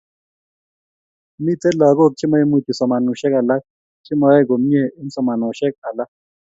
Mitei lagok chemaimuchi somanosiek alak, chemoyoei komie eng somanosiek alak